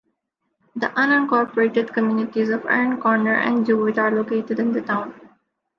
The unincorporated communities of Erin Corner and Jewitt are located in the town.